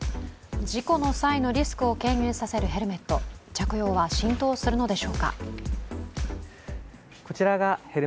事故の際のリスクを軽減させるヘルメット、着用は浸透するのでしょうか。